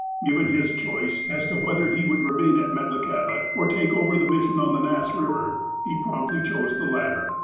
Given his choice as to whether he would remain at Metlakahtla, or take over the mission on the Nass Eiver, he promptly chose the latter.